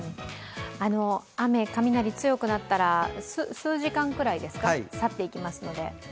雨、雷、強くなったら数時間ぐらいで去っていきますので。